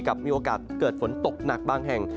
มีโอกาสเกิดฝนตกหนักบางแห่ง